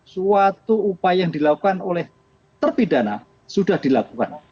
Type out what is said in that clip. suatu upaya yang dilakukan oleh terpidana sudah dilakukan